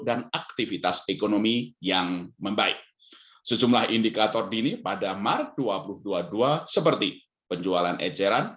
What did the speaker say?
aktivitas ekonomi yang membaik sejumlah indikator dini pada maret dua ribu dua puluh dua seperti penjualan eceran